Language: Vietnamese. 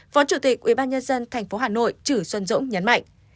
phó chủ tịch ubnd tp hà nội chử xuân dũng nhấn mạnh